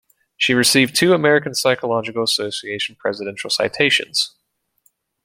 She received two American Psychological Association Presidential Citations.